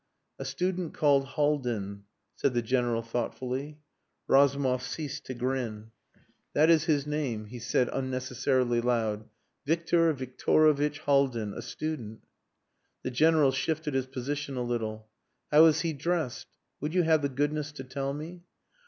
"A student called Haldin," said the General thoughtfully. Razumov ceased to grin. "That is his name," he said unnecessarily loud. "Victor Victorovitch Haldin a student." The General shifted his position a little. "How is he dressed? Would you have the goodness to tell me?"